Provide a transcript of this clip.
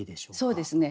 そうですね